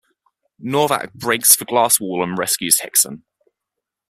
Novak breaks the glass wall and rescues Hickson.